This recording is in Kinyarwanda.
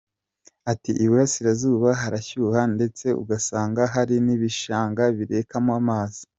Ati “Iburasirazuha harashyuha ndetse ugasanga hari n’ibishanga birekamo amazi.